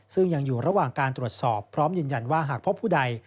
ซึ่งยังอยู่ระหว่างการตรวจสอบพร้อมยืนยันว่าหากพบผู้ใด